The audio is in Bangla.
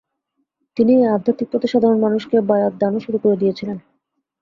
তিনি এই আধ্যাত্বিক পথে সাধারণ মানুষকে বায়াত দানও শুরু করে দিয়েছিলেন।